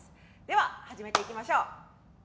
では始めて行きましょう。